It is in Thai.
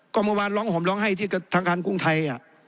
ก็เมื่อวานร้องห่มร้องไห้ที่ทางการกรุงไทย